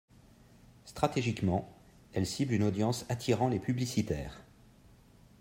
Stratégiquement, elle cible une audience attirant les publicitaires.